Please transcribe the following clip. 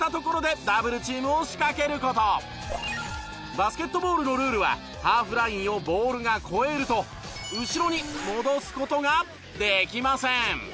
バスケットボールのルールはハーフラインをボールが越えると後ろに戻す事ができません。